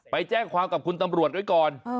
ไปแจ้งความกับคุณตำรวจไว้ก่อน